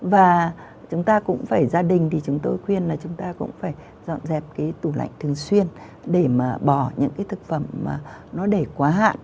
và chúng ta cũng phải gia đình thì chúng tôi khuyên là chúng ta cũng phải dọn dẹp cái tủ lạnh thường xuyên để mà bỏ những cái thực phẩm mà nó để quá hạn